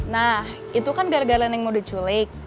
nah itu kan gara gara yang mau diculik